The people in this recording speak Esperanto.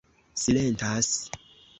silentas